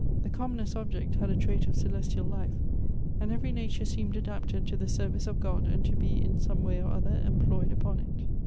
The commonest object had a trait of celes tial life ; and every nature seemed adapted to the service of God, and to be, in some way or other, employed upon it.